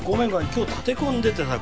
今日立て込んでてさ